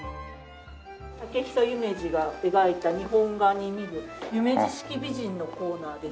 竹久夢二が描いた日本画に見る「夢二式美人」のコーナーです。